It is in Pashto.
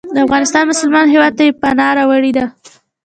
د افغانستان مسلمان هیواد ته یې پناه راوړې ده.